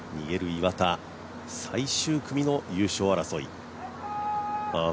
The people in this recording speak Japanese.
岩田最終組の優勝争い。